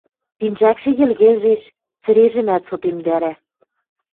Пинжӓкшӹ йӹлгӹжеш, цӹрежӹмӓт сотемдӓрӓ.